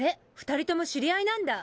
２人とも知り合いなんだ？